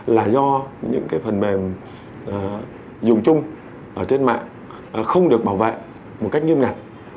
là do những phần mềm dùng chung ở trên mạng không được bảo vệ một cách nghiêm ngặt